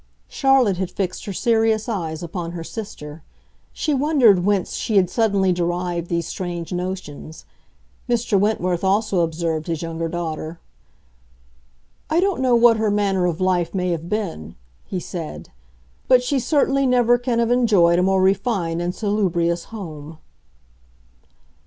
Charlotte had fixed her serious eyes upon her sister; she wondered whence she had suddenly derived these strange notions. Mr. Wentworth also observed his younger daughter. "I don't know what her manner of life may have been," he said; "but she certainly never can have enjoyed a more refined and salubrious home."